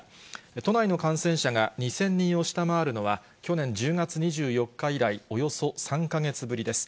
都内の感染者が２０００人を下回るのは、去年１０月２４日以来、およそ３か月ぶりです。